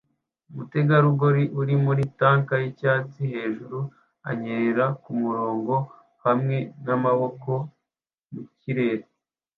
umutegarugori uri muri tank yicyatsi hejuru anyerera kumurongo hamwe namaboko mukirere